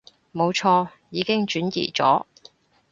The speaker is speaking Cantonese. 冇錯，已經轉移咗